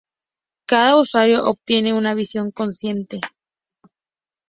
Cada usuario obtiene una visión consistente.